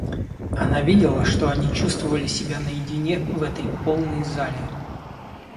Она видела, что они чувствовали себя наедине в этой полной зале.